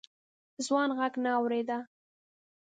ځوان غږ نه اورېده.